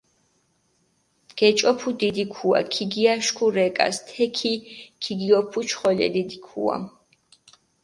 გეჭოფუ დიდი ქუა, ქიგიაშქუ რეკას, თექი ქიგიოფუჩხოლჷ ე დიდი ქუა.